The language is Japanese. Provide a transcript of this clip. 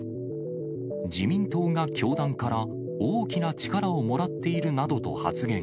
自民党が教団から大きな力をもらっているなどと発言。